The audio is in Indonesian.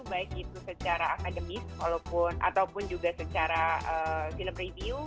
baik itu secara akademis ataupun juga secara film review